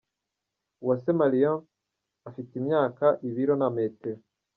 Uwase Mallion afite imyaka , ibiro na metero .